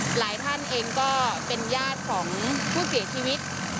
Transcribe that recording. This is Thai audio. หลายท่านเองก็เป็นญาติของผู้เสียชีวิต